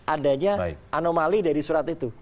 adanya anomali dari surat itu